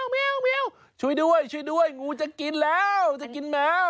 แมวช่วยด้วยงูจะกินแล้วจะกินแมว